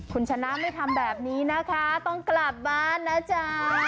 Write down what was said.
คุณชนะไม่ทำแบบนี้นะคะต้องกลับบ้านนะจ๊ะ